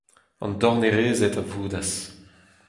An dornerezed a voudas.